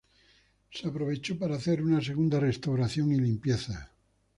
Se aprovechó para hacer una segunda restauración y limpieza.